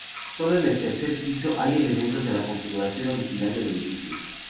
Sólo en el tercer piso hay elementos de la configuración original del edificio.